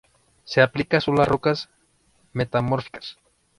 Se aplica sólo a rocas metamórficas.